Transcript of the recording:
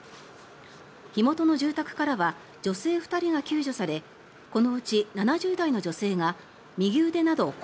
火元の住宅からは女性２人が救助されこのうち７０代の女性が右腕など